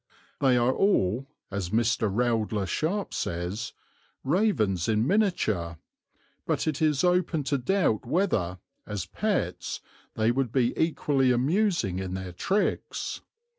They are all, as Mr. Rowdler Sharpe says, ravens in miniature, but it is open to doubt whether, as pets, they would be equally amusing in their tricks.